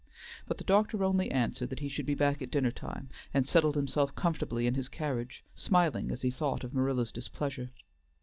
But the doctor only answered that he should be back at dinner time, and settled himself comfortably in his carriage, smiling as he thought of Marilla's displeasure.